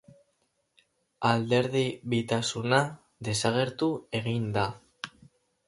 Alderdibitasuna desagertu egin da.